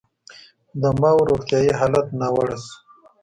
د ماوو روغتیايي حالت ناوړه شو.